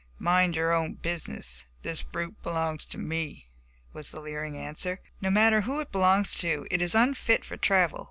"Mind your own business; this brute belongs to me," was the leering answer. "No matter who it belongs to, it is unfit for travel.